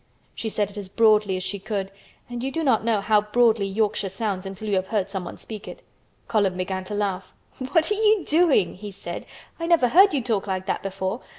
She said it as broadly as she could, and you do not know how broadly Yorkshire sounds until you have heard someone speak it. Colin began to laugh. "What are you doing?" he said. "I never heard you talk like that before.